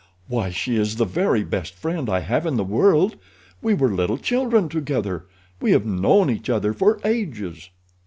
Why, she is the very best friend I have in the world. We were little children together—we have known each other for ages."